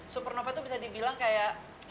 supernovac itu bisa dibilang kayak